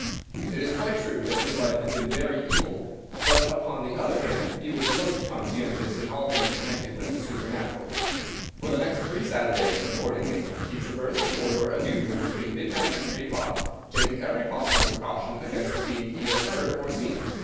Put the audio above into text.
It is quite true that his life had been very evil, but, upon the other hand, he was most conscientious in all things connected with the supernatural. For the next three Saturdays, accordingly, he traversed the corridor as usual between midnight and three o'clock, taking every possible precaution against being either heard or seen.